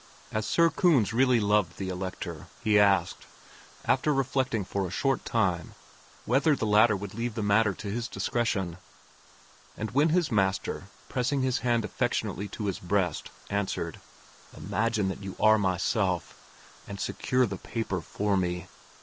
As Sir Kunz really loved the Elector, he asked, after reflecting for a short time, whether the latter would leave the matter to his discretion; and when his master, pressing his hand affectionately to his breast, answered, "Imagine that you are myself, and secure the paper for me!"